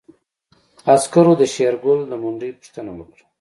عسکرو د شېرګل د منډې پوښتنه وکړه.